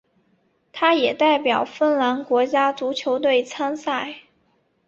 他也代表芬兰国家足球队参赛。